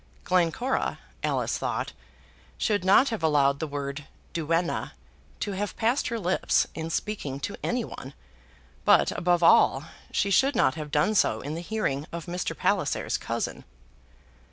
Glencora, Alice thought, should not have allowed the word duenna to have passed her lips in speaking to any one; but, above all, she should not have done so in the hearing of Mr. Palliser's cousin.